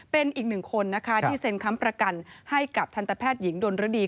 เป็นอีกหนึ่งคนที่เซ็นคำประกันให้กับทรัพย์หญิงโดนรดี